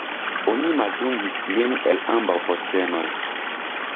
Oni maldungis lin el ambaŭ postenoj.